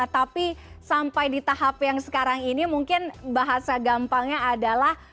tapi sampai di tahap yang sekarang ini mungkin bahasa gampangnya adalah